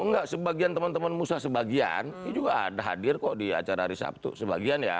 enggak sebagian teman teman musa sebagian ini juga ada hadir kok di acara hari sabtu sebagian ya